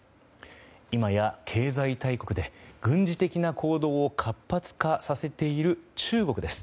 いまや経済大国で軍事的な行動を活発化させている中国です。